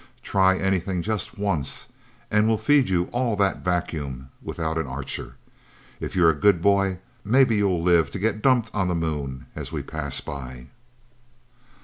Try anything just once, and we'll feed you all that vacuum without an Archer. If you're a good boy, maybe you'll live to get dumped on the Moon as we pass by."